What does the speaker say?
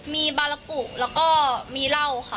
มีบาลากุแล้วก็มีเหล้าค่ะ